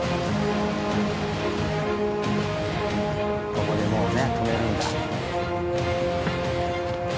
ここでもうね止めるんだ。